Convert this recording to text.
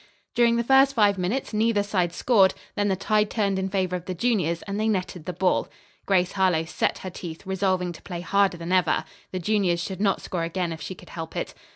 During the first five minutes neither side scored; then the tide turned in favor of the juniors and they netted the ball. Grace Harlowe set her teeth, resolving to play harder than ever. The juniors should not score again if she could help it.